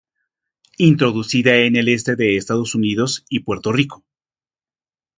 Introducida en el Este de Estados Unidos y Puerto Rico.